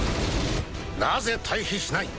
なぜ退避しない？